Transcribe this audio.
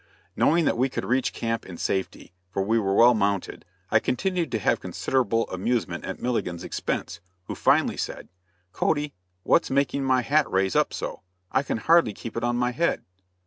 Knowing that we could reach the camp in safety, for we were well mounted, I continued to have considerable amusement at Milligan's expense, who finally said: "Cody, what's making my hat raise up so. I can hardly keep it on my head."